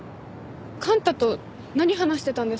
幹太と何話してたんですか？